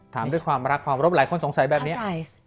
ถามด้วยความรักพนิทรบแรกคนสงสัยแบบนี้